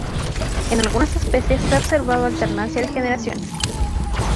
En algunas especies se ha observado alternancia de generaciones.